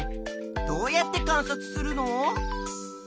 どうやって観察するの？